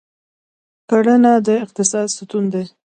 کرهڼه د اقتصاد ستون دی